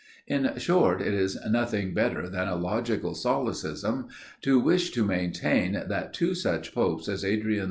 In short, it is nothing better than a logical solecism, to wish to maintain that two such popes as Adrian IV.